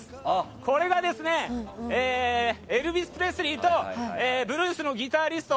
これがエルヴィス・プレスリーとブルースのギタリスト